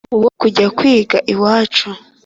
wo kujya kwiga ibyacu.